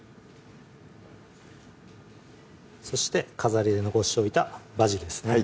そして飾りで残しておいたバジルですね